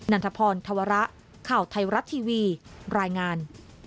ันทพรธวระข่าวไทยรัฐทีวีรายงาน